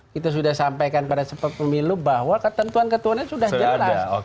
kita sudah sampaikan pada sepup pemilu bahwa ketentuan ketuannya sudah jelas